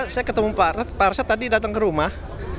saya ketemu pak arsyad tadi datang ke rumah